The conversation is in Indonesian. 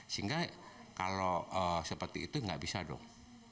sehingga kalau seperti itu nggak bisa dong